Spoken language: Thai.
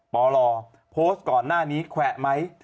ปลโพสต์ก่อนหน้านี้แขวะไหม